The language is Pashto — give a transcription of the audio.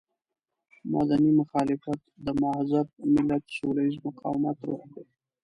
مدني مخالفت د مهذب ملت سوله ييز مقاومت روح دی.